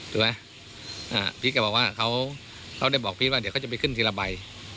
ถูกไหมพีชก็บอกว่าเขาได้บอกพีชว่าเดี๋ยวเขาจะไปขึ้นทีละใบ